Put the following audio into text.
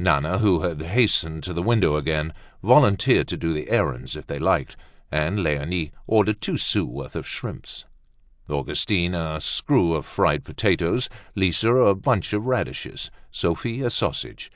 Nana, who had hastened to the window again, volunteered to do the errands if they liked. And Leonie ordered two sous worth of shrimps, Augustine a screw of fried potatoes, Lisa a bunch of radishes, Sophie a sausage.